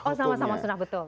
oh sama sama sunnah betul